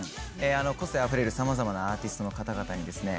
個性あふれる様々なアーティストの方々にですね